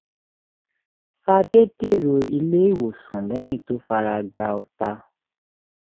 Fadé dèrò ilé ìwòsàn lẹ́yìn tó fara gba ọta.